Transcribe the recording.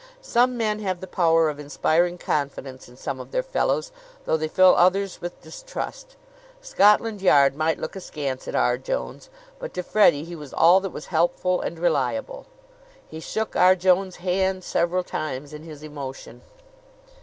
Some men have the power of inspiring confidence in some of their fellows, though they fill others with distrust. Scotland Yard might look askance at R. Jones, but to Freddie he was all that was helpful and reliable. He shook R. Jones' hand several times in his emotion.